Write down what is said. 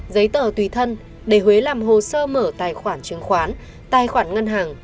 giấy tờ tùy thân để huế làm hồ sơ mở tài khoản chứng khoán tài khoản ngân hàng